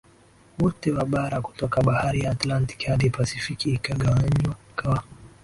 wote wa bara kutoka Bahari ya Atlantiki hadi Pasifiki ikigawanywa kwa